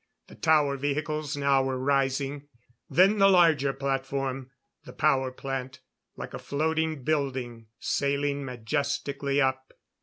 The tower vehicles now were rising. Then the larger platform; the power plant, like a floating building sailing majestically up.